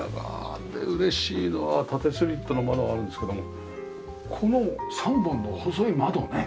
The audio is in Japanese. で嬉しいのは縦スリットの窓があるんですけどもこの３本の細い窓ね。